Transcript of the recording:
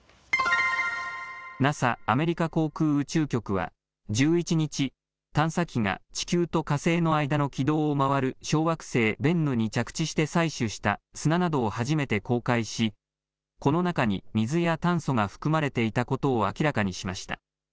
ＮＡＳＡ・アメリカ航空宇宙局は１１日、探査機が地球と火星の間の軌道を回る小惑星ベンヌに着地して採取した砂などを初めて公開しこの中に水や炭素が含まれていたことを明らかにしました。